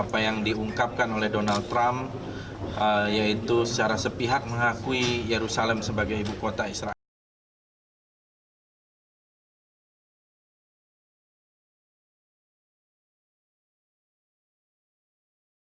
pertama kita akan mengundang pimpinan dan anggota dewan untuk hadir dalam aksi tersebut